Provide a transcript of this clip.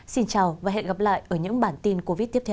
xin chào và hẹn gặp lại ở những bản tin covid tiếp theo